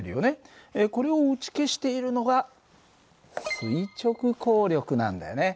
これを打ち消しているのが垂直抗力なんだよね。